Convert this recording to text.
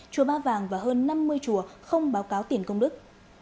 chùa ba vàng và hơn năm mươi chùa không báo cáo tiền công đức